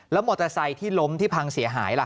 มอเตอร์ไซค์ที่ล้มที่พังเสียหายล่ะ